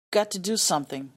You've got to do something!